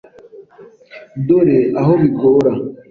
Dore aho bigora.